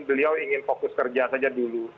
beliau ingin fokus kerja saja dulu